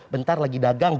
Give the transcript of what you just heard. bentar lagi dagang